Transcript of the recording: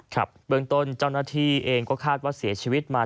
ครับเบื้องต้นเจ้าหน้าที่เองก็คาดว่าเสียชีวิตมา